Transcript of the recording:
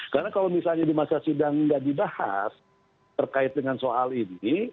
karena kalau misalnya di masa sidang nggak dibahas terkait dengan soal ini